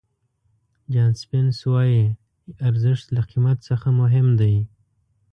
جان سپینس وایي ارزښت له قیمت څخه مهم دی.